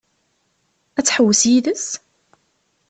Ad tḥewwes yid-s?